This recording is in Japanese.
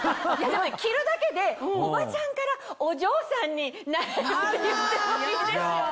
着るだけでおばちゃんからお嬢さんになれるって言ってもいいですよね。